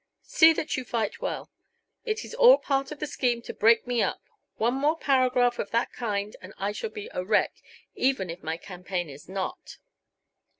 See that you fight well. It is all a part of the scheme to break me up. One more paragraph of that kind and I shall be a wreck, even if my campaign is not."